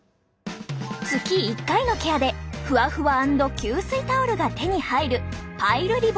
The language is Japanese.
月１回のケアでふわふわ＆吸水タオルが手に入るパイルリボーン。